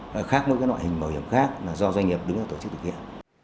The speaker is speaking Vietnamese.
nó khác với các loại hình bảo hiểm khác do doanh nghiệp